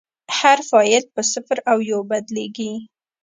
هر فایل په صفر او یو بدلېږي.